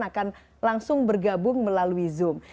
akan langsung bergabung melalui zoom